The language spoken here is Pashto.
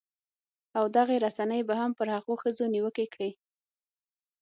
او دغې رسنۍ هم پر هغو ښځو نیوکې کړې